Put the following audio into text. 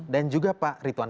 dan juga pak ritwan